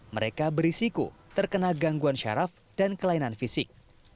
mereka berisiko terkena gangguan syaraf dan kelainan fisik